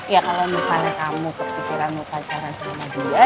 ya kalau misalnya kamu keputusan mau pacaran sama dia